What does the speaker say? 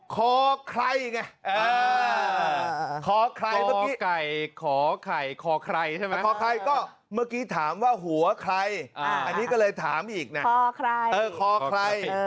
คอใครไงคอใครเมื่อกี้ถามว่าหัวใครอันนี้ก็เลยถามอีกนะคอใคร